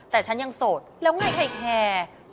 แต่ฉันยังโสดแล้วไงใครแคร์